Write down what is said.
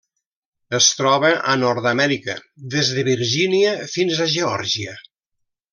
Es troba a Nord-amèrica: des de Virgínia fins a Geòrgia.